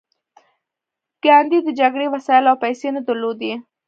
ګاندي د جګړې وسایل او پیسې نه درلودې